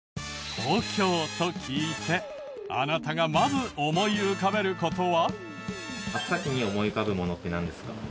「東京」と聞いてあなたがまず思い浮かべる事は？